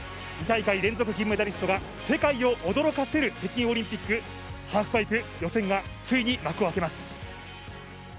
２大会連続の銀メダリストが世界を驚かせる北京オリンピックハーフパイプ予選がついに幕を開けます。